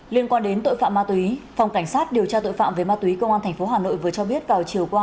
liên quan đến tội phạm ma túy phòng cảnh sát điều tra tội phạm về ma túy công an tp hà nội vừa cho biết vào chiều qua